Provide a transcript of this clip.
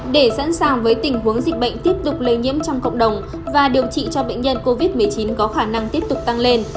để sẵn sàng với tình huống dịch bệnh tiếp tục lây nhiễm trong cộng đồng và điều trị cho bệnh nhân covid một mươi chín có khả năng tiếp tục tăng lên